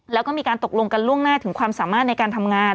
แล้วก็มีการตกลงกันล่วงหน้าถึงความสามารถในการทำงาน